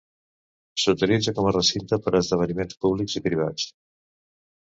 S'utilitza com a recinte per a esdeveniments públics i privats.